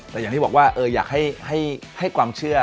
แต่อย่างที่บอกว่าอยากให้ความเชื่อ